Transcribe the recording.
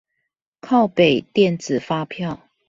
靠北電子發票